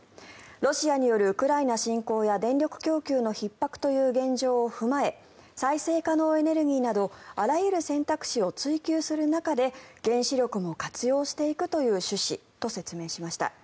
ロシアによるウクライナ侵攻や電力供給のひっ迫という現状を踏まえ再生可能エネルギーなどあらゆる選択肢を追求する中で原子力も活用していくという趣旨と説明しました。